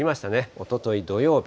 おととい土曜日。